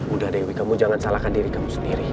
udah dewi kamu jangan salahkan diri kamu sendiri